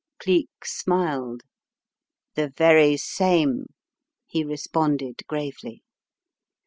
" Cleek smiled. "The very same," he responded, gravely.